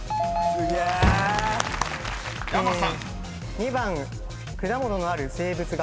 ２番果物のある静物画？